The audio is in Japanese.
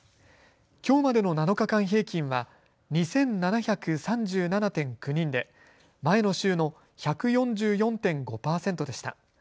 きょうまでの７日間平均は２７３７．９人で前の週の１４４．５％でした。